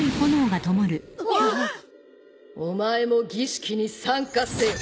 お前も儀式に参加せよ。